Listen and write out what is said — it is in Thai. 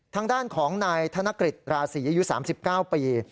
ทางด้านของนายธนกฤษราศีอายุ๓๙ปี